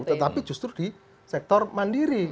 tetapi justru di sektor mandiri